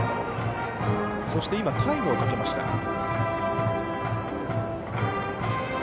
そしてタイムをかけました。